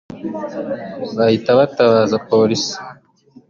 bahita batabaza Polisi